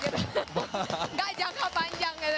enggak jangka panjang gitu ya